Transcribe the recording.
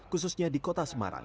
khususnya di kota semarang